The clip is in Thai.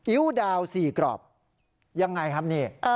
อิวดาวสี่กรอบยังไงครับนี่